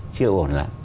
chưa ổn lắm